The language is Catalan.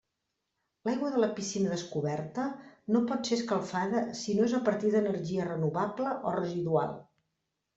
L'aigua de la piscina descoberta no pot ser escalfada si no és a partir d'energia renovable o residual.